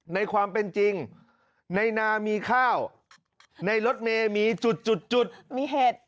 ในความเป็นจริงในนามีข้าวในรถเมย์มีจุดจุดมีเห็ด